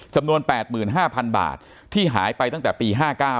จำนวน๘๕๐๐๐บาทที่หายไปตั้งแต่ปี๕๙